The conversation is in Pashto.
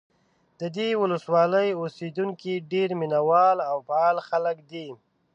د دې ولسوالۍ اوسېدونکي ډېر مینه وال او فعال خلک دي.